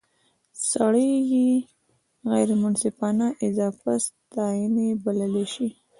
سړی یې غیر منصفانه اضافه ستانۍ بللای شي.